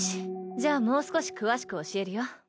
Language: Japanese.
じゃあもう少し詳しく教えるよ。